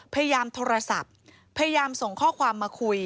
พยายามโทรศัพท์พยายามส่งข้อความมาคุย